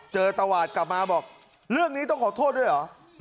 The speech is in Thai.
ตวาดกลับมาบอกเรื่องนี้ต้องขอโทษด้วยเหรอ